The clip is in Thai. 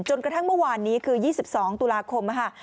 จนกระทั่งเมื่อวานนี้คือยี่สิบสองตุลาคมอะฮะ